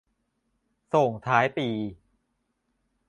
ส่งท้ายปี